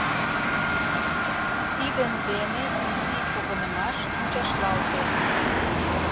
Тидын дене изи погынымаш мучашлалте.